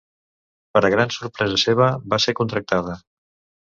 Per a gran sorpresa seva, va ser contractada.